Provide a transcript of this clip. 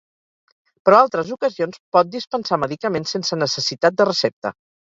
Però altres ocasions pot dispensar medicaments sense necessitat de recepta.